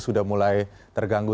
sudah mulai terganggu